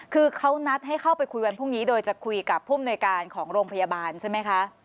คือเขานัดให้เข้าไปคุยวันพรุ่งนี้โดยจะคุยกับผู้มนวยการของโรงพยาบาลใช่ไหมคะ